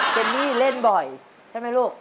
เจนนี่เล่นบ่อยใช่ไหมลูก